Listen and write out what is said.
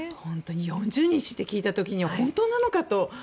４０日って聞いた時には本当なのかと。